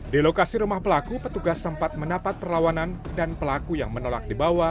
di lokasi rumah pelaku petugas sempat mendapat perlawanan dan pelaku yang menolak dibawa